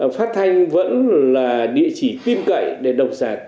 phát thanh vẫn là địa chỉ tiêm cậy để đọc giả tìm kiếm